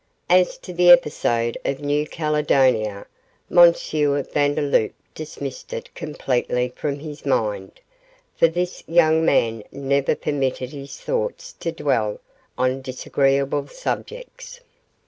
As to the episode of New Caledonia M. Vandeloup dismissed it completely from his mind, for this young man never permitted his thoughts to dwell on disagreeable subjects.